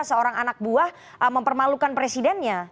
seorang anak buah mempermalukan presidennya